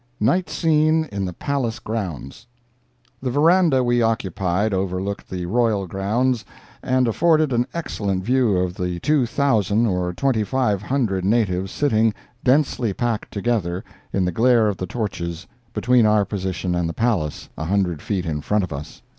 NIGHT SCENE IN THE PALACE GROUNDS The verandah we occupied overlooked the royal grounds, and afforded an excellent view of the two thousand or twenty five hundred natives sitting, densely packed together, in the glare of the torches, between our position and the palace, a hundred feet in front of us.